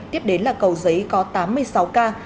tiếp đến là cầu giấy có tám mươi sáu ca